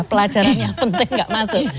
pelajarannya penting gak masuk